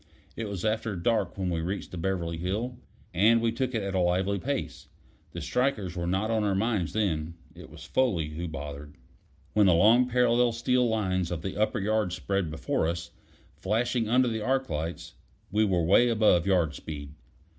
It was after dark when we reached the Beverly Hill, and we took it at a lively pace. The strikers were not on our minds then; it was Foley who bothered. When the long parallel steel lines of the upper yards spread before us, flashing under the arc lights, we were away above yard speed.